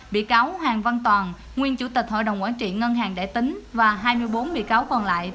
bị cáo hoàng văn toàn nguyên chủ tịch hội đồng quản trị ngân hàng đại tín và hai mươi bốn bị cáo còn lại